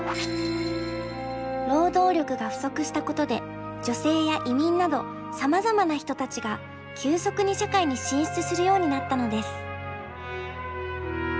労働力が不足したことで女性や移民などさまざまな人たちが急速に社会に進出するようになったのです。